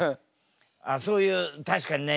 あっそういう確かにね